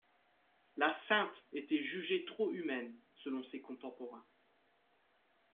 La sainte était jugée trop humaine selon ses contemporains.